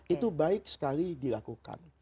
itu baik sekali dilakukan